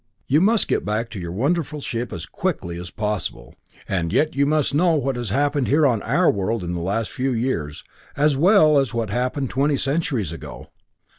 You must get back to your wonderful ship as quickly as possible; and yet you must know what has happened here on our world in the last few years, as well as what happened twenty centuries ago.